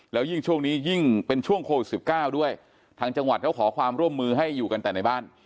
แล้วยิ่งช่วงนี้ยิ่งเป็นช่วงโควิด๑๙ด้วยทางจังหวัดเขาขอความร่วมมือให้อยู่กันแต่ในบ้าน